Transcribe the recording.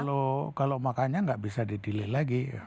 kalau kalau makanya gak bisa didelay lagi